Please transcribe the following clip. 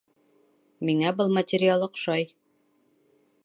Миңә был материал оҡшай